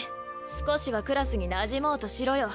少しはクラスになじもうとしろよ。